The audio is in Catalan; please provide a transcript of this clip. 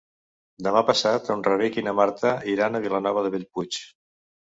Demà passat en Rauric i na Marta iran a Vilanova de Bellpuig.